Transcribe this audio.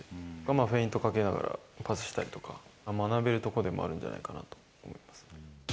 まあ、フェイントかけながら、パスしたりとか、学べるところでもあるんじゃないかなと思います。